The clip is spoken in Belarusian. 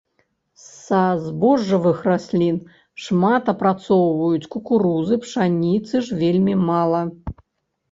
Са збожжавых раслін шмат апрацоўваюць кукурузы, пшаніцы ж вельмі мала.